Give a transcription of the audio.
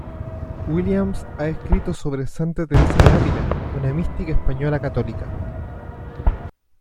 Williams ha escrito sobre santa Teresa de Ávila, una mística española católica.